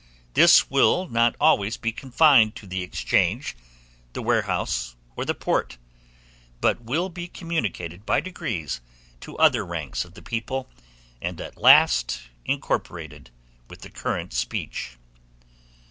This will not always be confined to the exchange, the warehouse, or the port, but will be communicated by degrees to other ranks of the people, and be at last incorporated with the current speech.